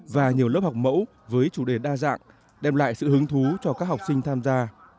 và nhiều lớp học mẫu với chủ đề đa dạng đem lại sự hứng thú cho các học sinh tham gia